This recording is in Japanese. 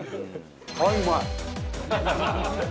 ああ、うまい。